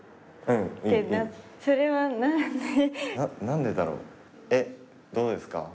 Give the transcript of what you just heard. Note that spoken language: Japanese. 何でだろうえっどうですか？